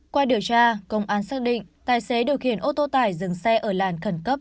qua điều tra công an xác định tài xế điều khiển ô tô tải dừng xe ở làn khẩn cấp